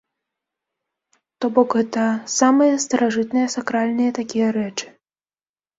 То бок гэта самыя старажытныя сакральныя такія рэчы.